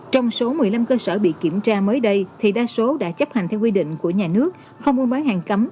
trong số một mươi năm cơ sở bị kiểm tra mới đây thì đa số đã chấp hành theo quy định của nhà nước không mua bán hàng cấm